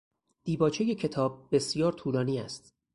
دیباچهی کتاب بسیار طولانی است.